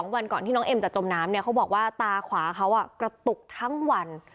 วันก่อนที่น้องเอ็มจะจมน้ำเนี่ยเขาบอกว่าตาขวาเขากระตุกทั้งวัน